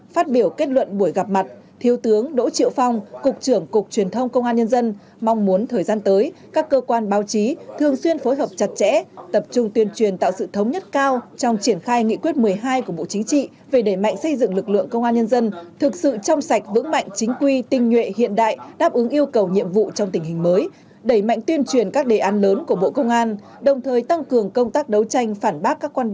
phát biểu kết luận buổi gặp mặt thiếu tướng đỗ triệu phong cục trưởng cục truyền thông công an nhân dân mong muốn thời gian tới các cơ quan báo chí thường xuyên phối hợp chặt chẽ tập trung tuyên truyền tạo sự thống nhất cao trong triển khai nghị quyết một mươi hai của bộ chính trị về đẩy mạnh xây dựng lực lượng công an nhân dân thực sự trong sạch vững mạnh chính quy tinh nhuệ hiện đại đáp ứng yêu cầu nhiệm vụ trong tình hình mới đẩy mạnh tuyên truyền các đề án lớn của bộ công an đồng thời tăng cường công tác đấu tranh phản bác các quan